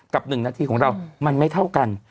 ๑นาทีของเรามันไม่เท่ากัน